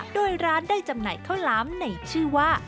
โดยร้านได้จำหน่ายข้าวหลามในชื่อว่า